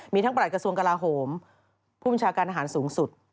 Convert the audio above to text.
มีทั้งประหลัดกระทรวงกลาโหมผู้บัญชาการทหารสูงสุด